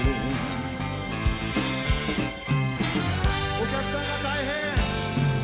お客さんが大変！